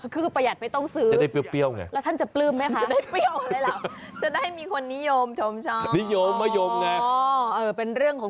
คือประหยัดไม่ต้องซื้อ